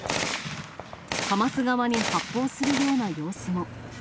ハマス側に発砲するような様子も。